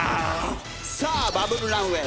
さあバブルランウェイ